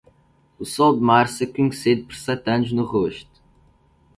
O sol de março é conhecido por sete anos no rosto.